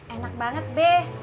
enak banget be